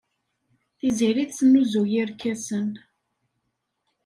Tiziri tesnuzuy irkasen.